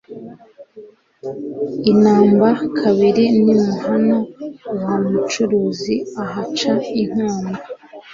I Namba-kabiri n'imuhana wa Mucuzi, ahaca inkamba.